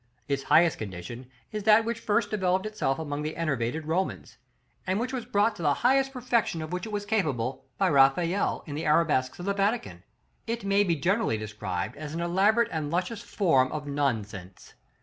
Its highest condition is that which first developed itself among the enervated Romans, and which was brought to the highest perfection of which it was capable, by Raphael, in the arabesques of the Vatican. It may be generally described as an elaborate and luscious form of nonsense.